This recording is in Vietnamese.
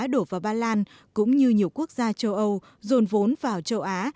đổ vào ba lan cũng như nhiều quốc gia châu âu dồn vốn vào châu á